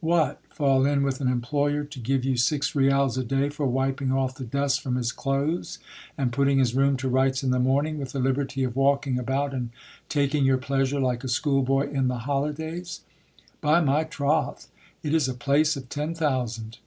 What ! fall in with an employer to give you six rials a day for wiping off the dust from his clothes, and putting his room to rights in the morning, with the liberty of walking about and taking your pleasure like a schoolboy in the holidays ! By my troth ! it is a place of ten thousand.